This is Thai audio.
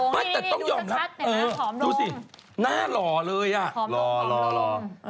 บ้างเขาหอมลงนี่ดูสักครั้งเห็นมั้ยหอมลง